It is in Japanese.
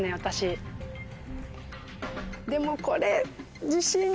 でもこれ。